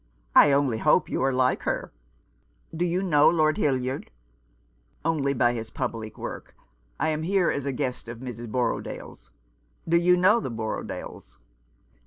I only hope you are like her. Do you know Lord Hildyard ?" "Only by his public work. I am here as a guest of Mrs. Borrodaile's. Do you know the Borrodailes